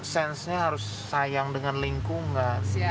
sensnya harus sayang dengan lingkungan